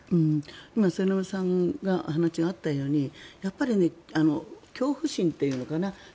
今、末延さんからお話があったように恐怖心というのかな